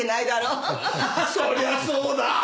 そりゃそうだ。